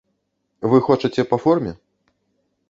Вы хочаце па форме?